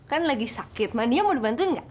ini lagi sakit man dia mau dibantuin nggak